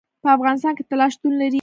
په افغانستان کې طلا شتون لري.